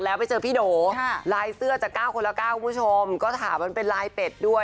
แล้วไปเจอพี่โดลายเสื้อจาก๙คนละ๙คุณผู้ชมก็ถามมันเป็นลายเป็ดด้วย